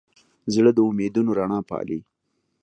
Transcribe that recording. زړه د امیدونو رڼا پالي.